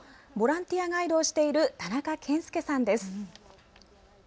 ボランティアガイドをしている田中健介さんです。